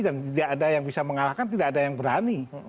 dan tidak ada yang bisa mengalahkan tidak ada yang berani